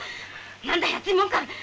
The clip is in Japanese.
何だい熱いもんか。